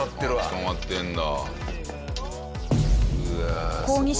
捕まってるんだ。